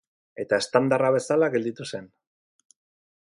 Eta estandarra bezala gelditu zen.